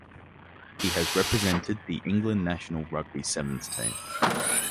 He has represented the England national rugby sevens team.